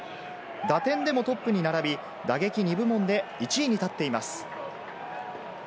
打点でもトップに並び、打撃２部門で１位に立っています。